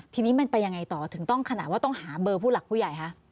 ทีนี้มันไปยังไงต่อถึงต้องขนาดว่าต้องหาเบอร์ผู้หลักผู้ใหญ่คะ